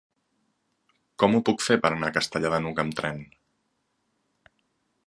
Com ho puc fer per anar a Castellar de n'Hug amb tren?